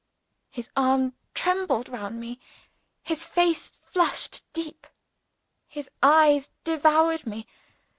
His arm trembled round me; his face flushed deep; his eyes devoured me.